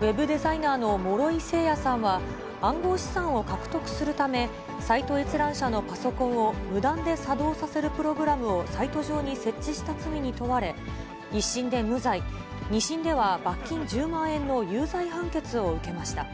ウェブデザイナーの諸井聖也さんは、暗号資産を獲得するため、サイト閲覧者のパソコンを無断で作動させるプログラムをサイト上に設置した罪に問われ、１審で無罪、２審では罰金１０万円の有罪判決を受けました。